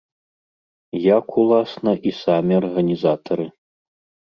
Як, уласна, і самі арганізатары.